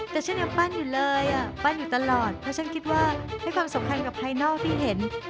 แต่ฉันยังปั้นอยู่เลยอ่ะปั้นอยู่ตลอดเพราะฉันคิดว่าให้ความสำคัญกับภายนอกที่เห็น